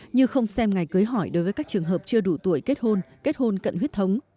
như không xem ngày cưới hỏi đối với các trường hợp chưa đủ tuổi kết hôn kết hôn cận huyết thống